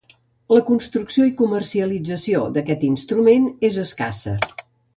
La construcció i comercialització d'aquest instrument és escassa.